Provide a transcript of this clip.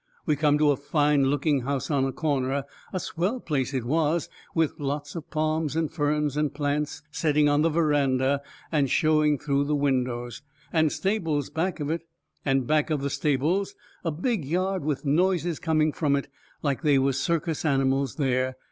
We come to a fine looking house on a corner a swell place it was, with lots of palms and ferns and plants setting on the verandah and showing through the windows. And stables back of it; and back of the stables a big yard with noises coming from it like they was circus animals there.